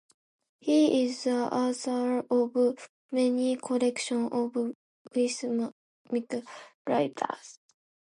He is the author of many collections of whimsical writings.